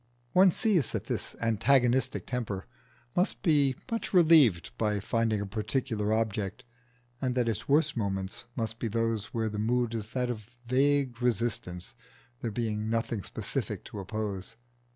One sees that this antagonistic temper must be much relieved by finding a particular object, and that its worst moments must be those where the mood is that of vague resistance, there being nothing specific to oppose.